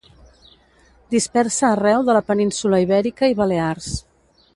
Dispersa arreu de la península Ibèrica i Balears.